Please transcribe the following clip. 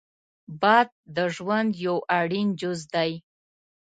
باد د ژوند یو اړین جز دی